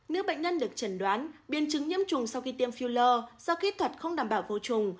nếu bệnh nhân được chẩn đoán biến chứng nhiễm chủng sau khi tiêm filler do kỹ thuật không đảm bảo vô chủng